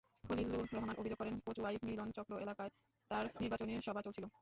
খলিলুর রহমান অভিযোগ করেন, কচুয়াই মিলন চক্র এলাকায় তাঁর নির্বাচনী সভা চলছিল।